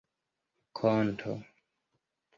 konto